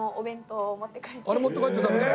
あれ持って帰って食べたの？